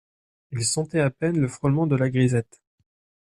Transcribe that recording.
Il sentait à peine le frôlement de la grisette.